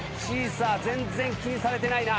全然気にされてないな。